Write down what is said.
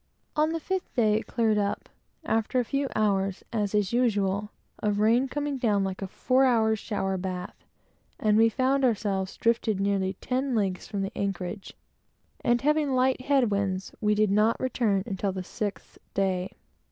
On the fifth day it cleared up, after a few hours, as is usual, of rain coming down like a four hours' shower bath, and we found ourselves drifted nearly ten leagues from the anchorage; and having light head winds, we did not return until the sixth day.